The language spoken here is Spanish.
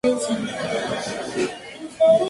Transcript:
Se denomina salto al paso de una zona tarifaria a otra.